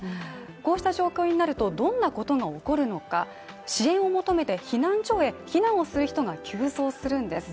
こうした状況になるとどんなことが起こるのか支援を求めて避難所へ避難をする人が急増するんです。